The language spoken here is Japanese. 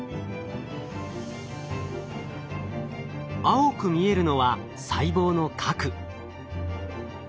青く見えるのは細胞の核。